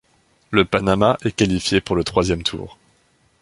Le Panama est qualifié pour le troisième tour.